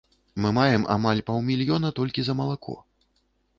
Мы маем амаль паўмільёна толькі за малако.